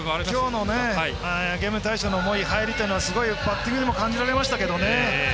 今日のゲームに対しての思いは入りやすごいバッティングにも感じられましたけどね。